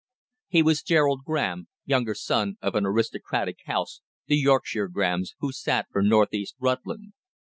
He was Gerald Graham, younger son of an aristocratic house, the Yorkshire Grahams, who sat for North East Rutland.